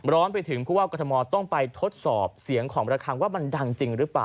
ร้อนไปถึงผู้ว่ากรทมต้องไปทดสอบเสียงของระคังว่ามันดังจริงหรือเปล่า